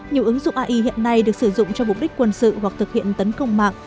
nhiều ứng dụng ai hiện nay được sử dụng cho mục đích quân sự hoặc thực hiện tấn công mạng